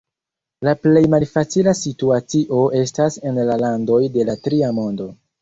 La plej malfacila situacio estas en la landoj de la Tria Mondo.